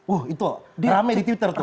wah itu rame di twitter tuh